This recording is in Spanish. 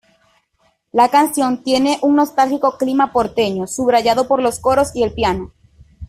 La canción tiene un nostálgico clima porteño, subrayado por los coros y el piano.